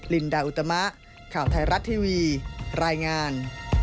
ลินดาอุตมะข่าวไทยรัฐทีวีรายงาน